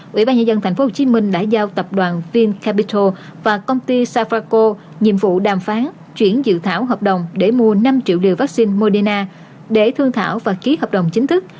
quỹ ban nhân dân tp hcm đã giao tập đoàn ving capital và công ty safraco nhiệm vụ đàm phán chuyển dự thảo hợp đồng để mua năm triệu liều vaccine moderna để thương thảo và ký hợp đồng chính thức